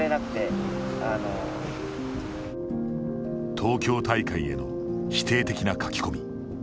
東京大会への否定的な書き込み。